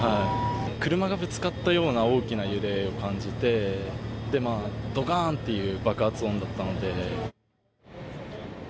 車がぶつかったような大きな揺れを感じてドカーンという爆発音だったので。